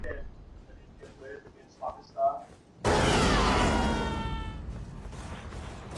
তবে আমি ভয় পাচ্ছি, তা মুহাম্মাদের নিকট পৌঁছে যাবে।